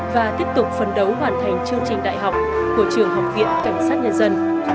và tiếp tục phấn đấu hoàn thành chương trình đại học của trường học viện cảnh sát nhân dân